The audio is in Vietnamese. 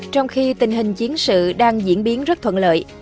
trong khi tình hình chiến sự đang diễn biến rất thuận lợi